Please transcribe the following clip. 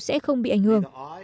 sẽ không bị ảnh hưởng